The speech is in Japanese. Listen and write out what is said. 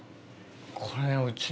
これうちの。